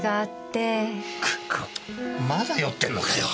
クッまだ酔ってるのかよ。